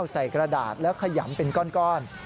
กระดาษแล้วขยำเป็นก้อน